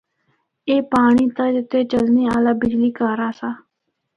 اے پانڑی تے چلنا آلہ بجلی کہر آسا۔